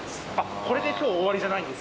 これで今日終わりじゃないんですか？